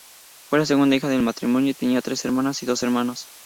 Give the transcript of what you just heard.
Fue la segunda hija del matrimonio y tenía tres hermanas y dos hermanos.